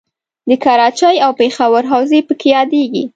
د کراچۍ او پېښور حوزې پکې یادیږي.